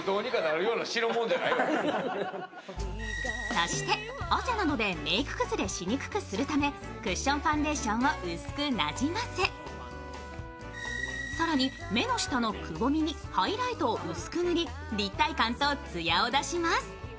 そして、汗などでメーク崩れしにくくするためクッションファンデーションを薄くなじませ更に目の下のくぼみにハイライトを薄く塗り立体感とツヤを出します。